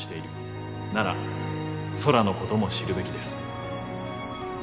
なら空のことも知るべきです。